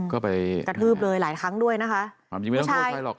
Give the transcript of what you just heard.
ก็ไปกระทืบเลยหลายครั้งด้วยนะคะความจริงไม่ต้องโทษใครหรอก